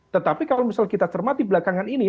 tetapi kalau misal kita cermati belakangan ini